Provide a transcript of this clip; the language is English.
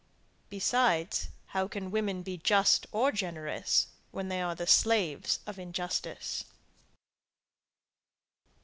Besides, how can women be just or generous, when they are the slaves of injustice.